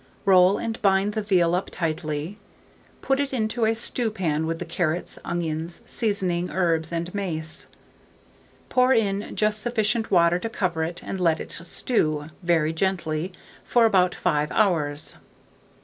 Roll and bind the veal up tightly; put it into a stew pan with the carrots, onions, seasoning, herbs, and mace; pour in just sufficient water to cover it, and let it stew very gently for about 5 hours.